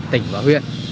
tỉnh và huyện